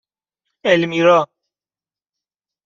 المیرا